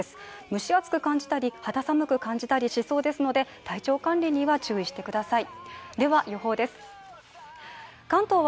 蒸し暑く感じたり、肌寒く感じたりしそうなので体調管理には注意してください。